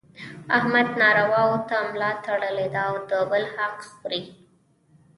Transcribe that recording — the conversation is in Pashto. احمد نارواوو ته ملا تړلې ده او د بل حق خوري.